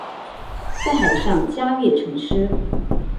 有海上嘉月尘诗。